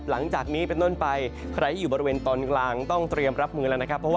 หลังจากนี้เป็นต้นไปใครอยู่บริเวณตอนกลางต้องเตรียมรับมือแล้วนะครับ